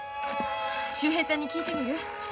秀平さんに聞いてみる。